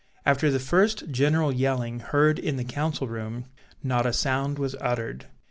After the first general yelling heard in the council room, not a sound was uttered.